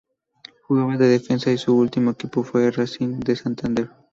Jugaba de defensa y su último equipo fue el Racing de Santander.